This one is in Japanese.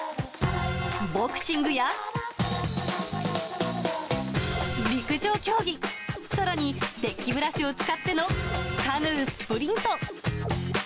ボクシングや陸上競技、さらにデッキブラシを使ってのカヌースプリント。